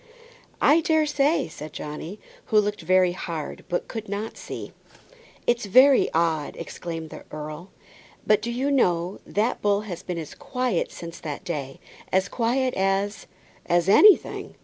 "I daresay," said Johnny, who looked very hard, but could not see. "It's very odd," exclaimed the earl, "but do you know, that bull has been as quiet since that day, as quiet as as anything.